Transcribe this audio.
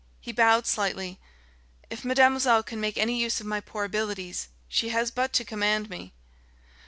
He bowed slightly. "If mademoiselle can make any use of my poor abilities, she has but to command me."